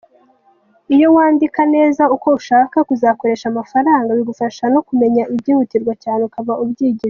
Iyo wandika neza uko ushaka kuzakoresha amafaranga, bigufasha no kumenya ibitihutirwa cyane ukaba ubyigijeyo.